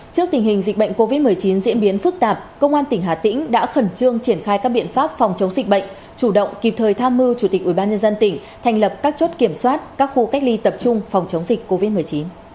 trước tình hình dịch bệnh covid một mươi chín diễn biến phức tạp công an tỉnh hà tĩnh đã khẩn trương triển khai các biện pháp phòng chống dịch bệnh chủ động kịp thời tham mưu chủ tịch ubnd tỉnh thành lập các chốt kiểm soát các khu cách ly tập trung phòng chống dịch covid một mươi chín